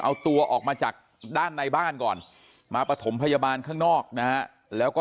เอาตัวออกมาจากด้านในบ้านก่อนมาปฐมพยาบาลข้างนอกนะฮะแล้วก็